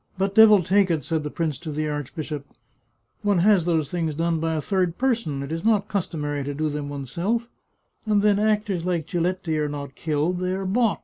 " But, devil take it," said the prince to the archbishop, " one has those things done by a third person. It is not customary to do them oneself. And then actors like Giletti are not killed ; they are bought."